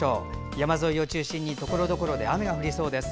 山沿いを中心にところどころで雨が降りそうです。